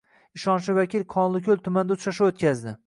Ishonchli vakil Qonliko‘l tumanida uchrashuv o‘tkazdi